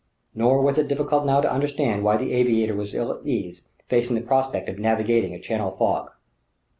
Nor was it difficult now to understand why the aviator was ill at ease facing the prospect of navigating a Channel fog.